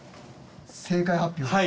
正解発表。